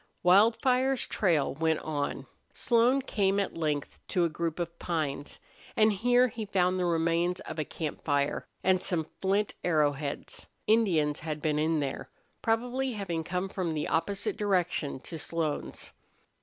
Wildfire's trail went on. Slone came at length to a group of pines, and here he found the remains of a camp fire, and some flint arrow heads. Indians had been in there, probably having come from the opposite direction to Slone's.